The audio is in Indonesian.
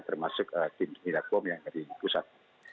termasuk tim tindak bom yang ada di pusat